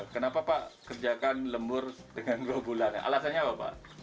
kenapa pak kerjakan lembur dengan dua bulan alasannya apa pak